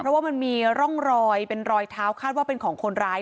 เพราะว่ามันมีร่องรอยเป็นรอยเท้าคาดว่าเป็นของคนร้าย